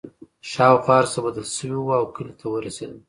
شاوخوا هرڅه بدل شوي وو او کلي ته ورسېدل